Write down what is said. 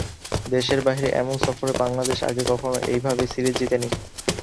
দেশের বাইরে এমন সফরে বাংলাদেশ আগে কখনো এইভাবে সিরিজ জেতেনি।